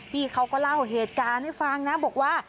พี่เขาก็เล่าเหตุการณ์ให้ฟังนะบอกว่า